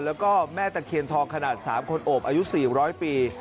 แล้วก็แม่ตะเคียนทองขนาด๓คนโอบอายุ๔๐๐ปี